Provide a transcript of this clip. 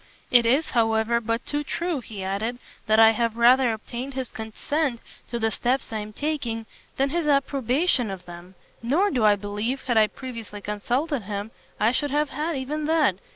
"It is, however, but too true," he added, "that I have rather obtained his consent to the steps I am taking, than his approbation of them: nor do I believe, had I previously consulted him, I should have had even that.